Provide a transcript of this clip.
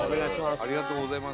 ありがとうございます